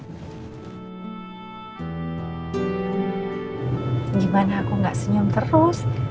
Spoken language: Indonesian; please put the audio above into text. gimana aku gak senyum terus